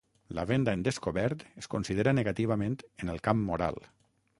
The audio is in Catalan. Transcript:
La venda en descobert es considera negativament en el camp moral.